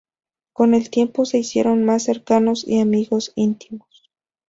Con el tiempo se hicieron más cercanos y amigos íntimos.